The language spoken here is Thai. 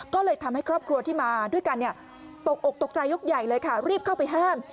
ก็เลยทำให้ครอบครัวที่มาด้วยกันตกอกตกใจยกใหญ่เลยค่ะรีบเข้าไปห้าม